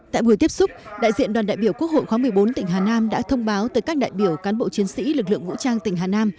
tại buổi tiếp xúc đại diện đoàn đại biểu quốc hội khóa một mươi bốn tỉnh hà nam đã thông báo tới các đại biểu cán bộ chiến sĩ lực lượng vũ trang tỉnh hà nam